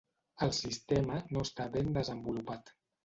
El sistema no està ben desenvolupat.